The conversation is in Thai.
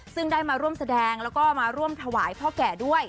ซึ่งได้มาร่วมแสดงแล้วก็มาร่วมถวายพ่อแก่ด้วย